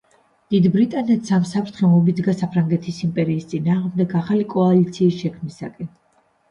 დიდ ბრიტანეთს ამ საფრთხემ უბიძგა საფრანგეთის იმპერიის წინააღმდეგ ახალი კოალიციის შექმნისკენ.